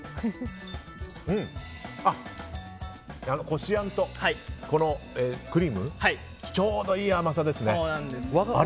こしあんと、このクリームちょうどいい甘さですね。